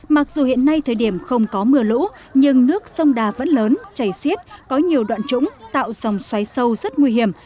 mặc dù hiện nay thời điểm không có mưa lũ nhưng nước sông đà vẫn lớn chảy xiết có nhiều đoạn trũng tạo dòng xoáy sâu rất nguy hiểm